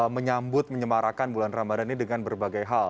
menyambut menyemarakan bulan ramadhan ini dengan berbagai hal